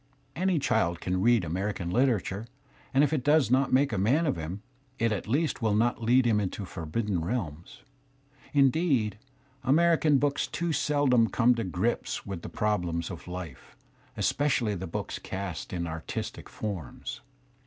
Any child can read America literature, and if it does not make a man of him, it at least will not lead him into forbidden realms. Indeed, American ? books too seldom come to grips with the problems of life, especially the books cast in artistic forms.